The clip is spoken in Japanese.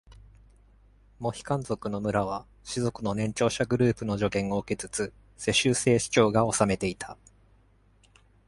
モヒカン族の村は、氏族の年長者グループの助言を受けつつ世襲制首長が治めていた。